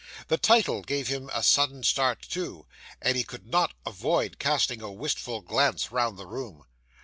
The title gave him a sudden start, too; and he could not avoid casting a wistful glance round the room.